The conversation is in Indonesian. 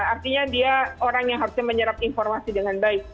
artinya dia orang yang harusnya menyerap informasi dengan baik